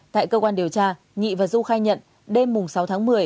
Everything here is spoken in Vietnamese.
tại cơ quan điều tra nhị và du khai nhận đêm sáu tháng một mươi